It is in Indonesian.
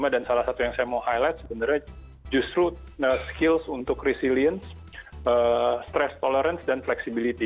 dan salah satu yang saya mau highlight sebenarnya justru skills untuk resilience stress tolerance dan flexibility